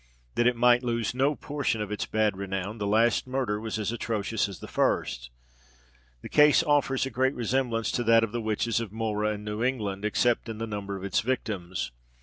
That it might lose no portion of its bad renown, the last murder was as atrocious as the first. This case offers a great resemblance to that of the witches of Mohra and New England, except in the number of its victims.